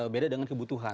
beda dengan kebutuhan